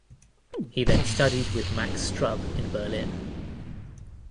He then studied with Max Strub in Berlin.